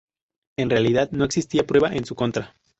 En realidad, no existía prueba en su contra.